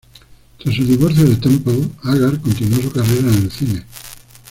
Tras su divorcio de Temple, Agar continuó su carrera en el cine.